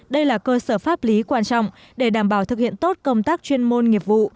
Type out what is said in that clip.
đây là cơ sở pháp lý quan trọng để đảm bảo thực hiện tốt công tác chuyên môn nghiệp vụ